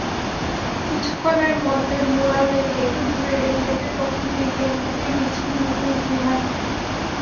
কিছুক্ষণের মধ্যে ম্যুরালের একটু দূরে রেলগেটের দক্ষিণ দিকে দুটি মিছিল মুখোমুখি হয়।